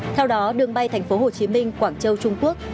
theo đó đường bay tp hcm quảng châu trung quốc